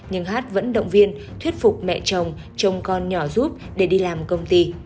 nhưng hát vẫn động viên thuyết phục mẹ chồng chồng con nhỏ giúp để đi làm công ty